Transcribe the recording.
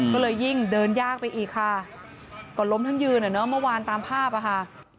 ก็เลยยิ่งเดินยากไปอีกค่ะก็ล้มทั้งยืนอ่ะเนอะเมื่อวานตามภาพอ่ะค่ะ